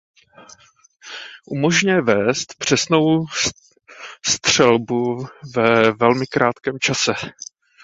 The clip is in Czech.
Umožňuje vést přesnou střelbu ve velmi krátkém čase.